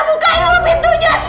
bukain dulu pintunya